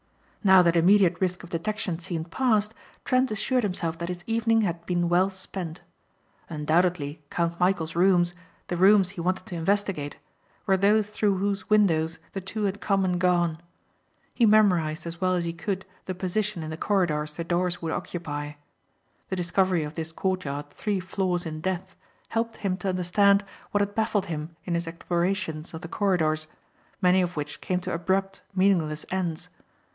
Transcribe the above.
Now that immediate risk of detection seemed past Trent assured himself that his evening had been well spent. Undoubtedly Count Michæl's rooms, the rooms he wanted to investigate were those through whose windows the two had come and gone. He memorized as well as he could the position in the corridors the doors would occupy. The discovery of this courtyard three floors in depth helped him to understand what had baffled him in his explorations of the corridors many of which came to abrupt meaningless ends.